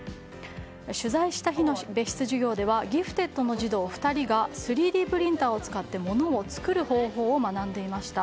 取材した日の別室授業ではギフテッドの児童２人が３Ｄプリンターを使って物を作る方法を学んでいました。